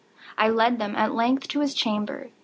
I led them, at length, to his chamber.